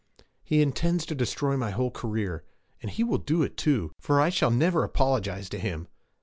'He intends to destroy my whole career. And he will do it, too, for I shall never apologize to him!'